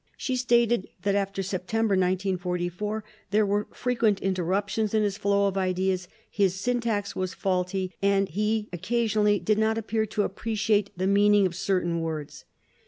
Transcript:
She stated that after September 1944 there were frequent interruptions in his flow of ideas, his syntax was faulty, and he occasionally did not appear to appreciate the meaning of certain words.